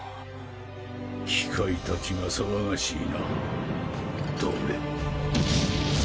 機械たちが騒がしいなどれ。